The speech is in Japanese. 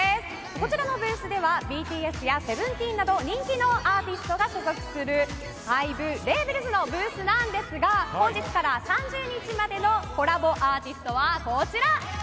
こちらのブースではＢＴＳやＳＥＶＥＮＴＥＥＮなど人気のアーティストが所属するＨＹＢＥＬＡＢＥＬＳのブースなんですが本日から３０日までのコラボアーティストはこちら。